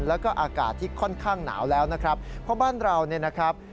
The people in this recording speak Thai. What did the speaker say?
แล้วก็อากาศที่ค่อนข้างหนาวแล้วนะครับ